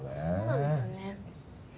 そうなんですよね。